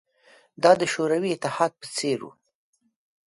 دا د شوروي اتحاد په څېر وه